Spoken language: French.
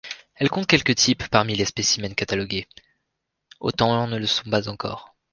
Elle compte quelque types parmi les spécimens catalogués, autant ne le sont pas encore.